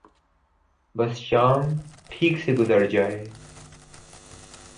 بس شام ٹھیک گزر جائے۔